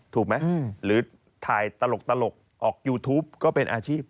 ถูกไหมหรือถ่ายตลกออกยูทูปก็เป็นอาชีพ